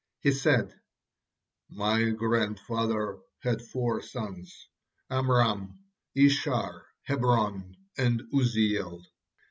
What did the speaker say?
He said: "My grandfather had four sons, Amram, Ishar, Hebron, and Uzziel.